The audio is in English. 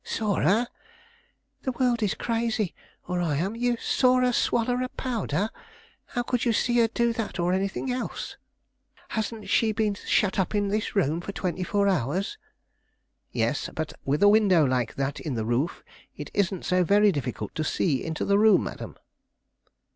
"Saw her! the world is crazy, or I am saw her swallow a powder! How could you see her do that or anything else? Hasn't she been shut up in this room for twenty four hours?" "Yes; but with a window like that in the roof, it isn't so very difficult to see into the room, madam."